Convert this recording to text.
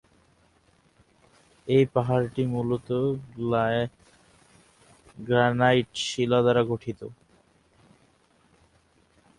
এই পাহাড়টি মূলত 'গ্রানাইট' শিলা দ্বারা গঠিত।